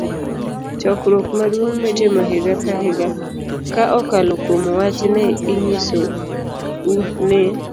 Chokruok Maduong' Mitimo Higa ka Higa .ka okalo kuom wach ni, inyiso u ni